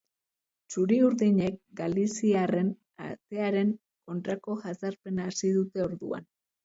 Txuriurdinek galiziarren atearen kontrako jazarpena hasi dute orduan.